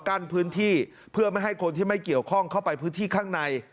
กั้นพื้นที่เพื่อไม่ให้คนที่ไม่เกี่ยวข้องเข้าไปพื้นที่ข้างใน